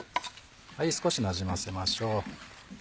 少しなじませましょう。